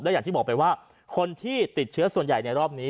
อย่างที่บอกไปว่าคนที่ติดเชื้อส่วนใหญ่ในรอบนี้